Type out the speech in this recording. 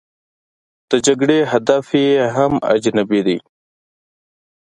د جګړې هدف یې هم اجنبي دی.